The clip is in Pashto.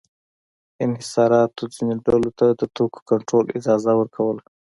انحصاراتو ځینو ډلو ته د توکو کنټرول اجازه ورکوله.